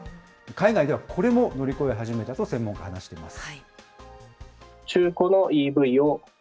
海外ではこれも乗り越え始めたと専門家は話しています。